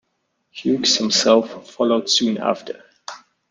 Hughes himself followed soon after.